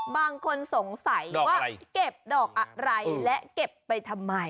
บางคนสงสัยว่าเก็บดอกอะไรและเก็บไปทำไม